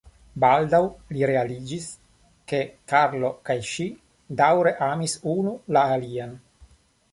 Baldaŭ li realiĝis ke Karlo kaj ŝi daŭre amis unu la alian.